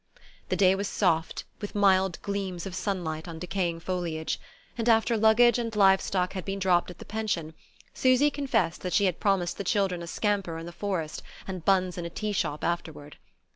The day was soft, with mild gleams of sunlight on decaying foliage; and after luggage and livestock had been dropped at the pension Susy confessed that she had promised the children a scamper in the forest, and buns in a tea shop afterward.